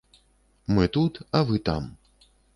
Мы тут, а вы там.